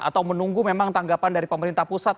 atau menunggu memang tanggapan dari pemerintah pusat